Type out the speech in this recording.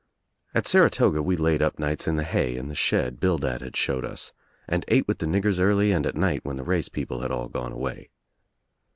At Saratoga we laid 'ip nights in the hay in the shed Bildad had showed us and ate with the niggers early and at night when the race people had all gone away.